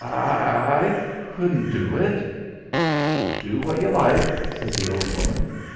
"I I couldn't do it." "Do what you like," said the old woman.